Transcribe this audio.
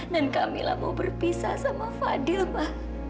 dan kamilah mau berpisah sama fadil pa